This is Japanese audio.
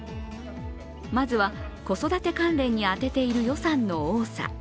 まずは、子育て関連に充てている予算の多さ。